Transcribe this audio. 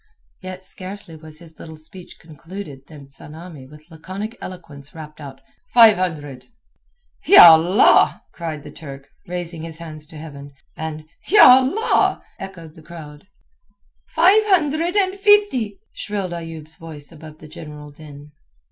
Yet scarcely was his little speech concluded than Tsamanni with laconic eloquence rapped out: "Five hundred." "Y'Allah!" cried the Turk, raising his hands to heaven, and "Y'Allah!" echoed the crowd. "Five hundred and fifty," shrilled Ayoub's voice above the general din.